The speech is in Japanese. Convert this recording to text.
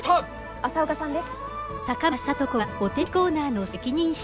朝岡さんです。